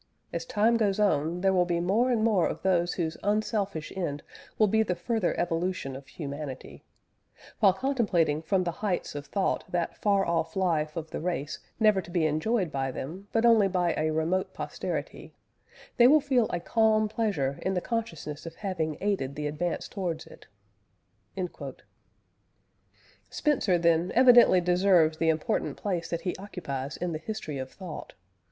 As time goes on, there will be more and more of those whose unselfish end will be the further evolution of Humanity. While contemplating from the heights of thought that far off life of the race never to be enjoyed by them, but only by a remote posterity, they will feel a calm pleasure in the consciousness of having aided the advance towards it." Spencer, then, evidently deserves the important place that he occupies in the history of thought.